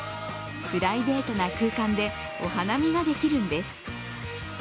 プライベートな空間でお花見ができるんです。